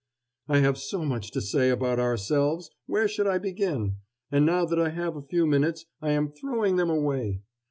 '" "I have so much to say about ourselves! Where should I begin? And now that I have a few minutes, I am throwing them away.